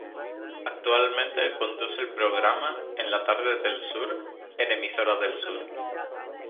Actualmente conduce el programa "En la Tarde del Sur" en Emisora del Sur.